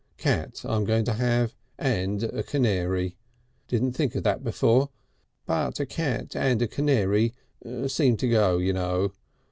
Cat I'm going to have, and a canary! Didn't think of that before, but a cat and a canary seem to go, you know.